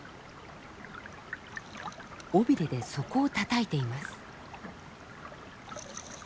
尾びれで底をたたいています。